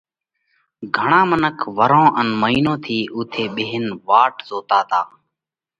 گھڻا منک ورهون ان مئِينون ٿِي اُوٿئہ ٻيهينَ واٽ زوتا تا،